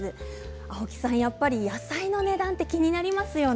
青木さん、やっぱり野菜の値段て気になりますよね。